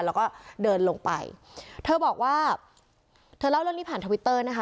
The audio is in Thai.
แล้วก็เดินลงไปเธอบอกว่าเธอเล่าเรื่องนี้ผ่านทวิตเตอร์นะคะ